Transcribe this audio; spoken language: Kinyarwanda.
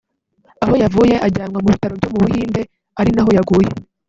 aho yavuye ajyanwa mu bitaro byo mu Buhinde ari naho yaguye